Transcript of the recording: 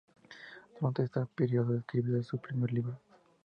Durante este periodo escribió su primer libro.